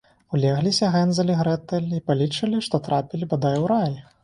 Улегліся Гензель і Грэтэль і палічылі, што трапілі, бадай, у рай